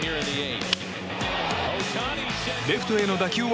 レフトへの打球は。